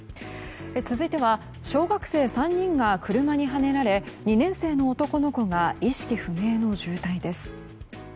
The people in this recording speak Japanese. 続いては小学生３人が車にはねられ２年生の男の子が意識不明の重体です。